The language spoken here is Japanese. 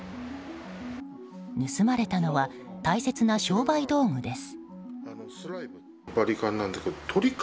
盗まれたのは大切な商売道具です。